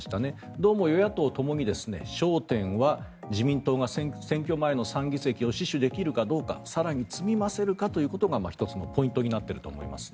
どうも与野党ともに焦点は自民党が選挙前の３議席を死守できるかどうか更に積み増せるかということが１つのポイントになっていると思いますね。